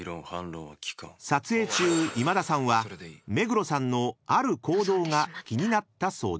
［撮影中今田さんは目黒さんのある行動が気になったそうで］